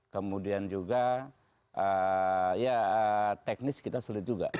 kemudian juga ya teknis kita sulit juga